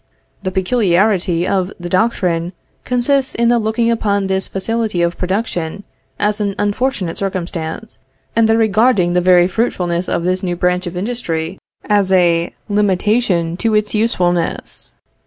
The peculiarity of the doctrine consists in the looking upon this facility of production as an unfortunate circumstance, and the regarding the very fruitfulness of this new branch of industry as a limitation to its usefulness.